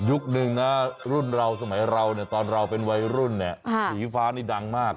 หนึ่งนะรุ่นเราสมัยเราเนี่ยตอนเราเป็นวัยรุ่นเนี่ยสีฟ้านี่ดังมาก